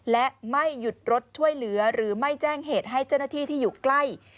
และไม่หยุดรถช่วยเหลือหรือไม่แจ้งเหตุให้เจ้าหน้าที่ที่อยู่ใกล้